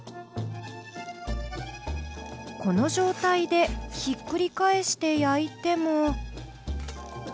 この状態でひっくり返して焼いても。